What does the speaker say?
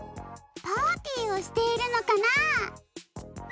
パーティーをしているのかな？